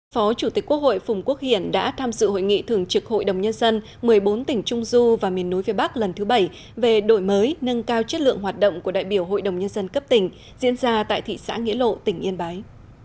phó chủ tịch quốc hội phùng quốc hiển đã tham dự hội nghị thường trực hội đồng nhân dân một mươi bốn tỉnh trung du và miền núi phía bắc lần thứ bảy về đổi mới nâng cao chất lượng hoạt động của đại biểu hội đồng nhân dân cấp tỉnh diễn ra tại thị xã nghĩa lộ tỉnh yên bái